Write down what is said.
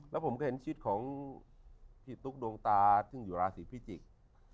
แล้วผมก็เห็นชีวิตของพี่ตุ๊กดวงตาซึ่งอยู่ราศีพิจิกษ์